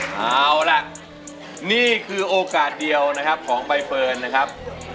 เอาล่ะนี่คือโอกาสเดียวนะครับของใบเฟิร์นนะครับ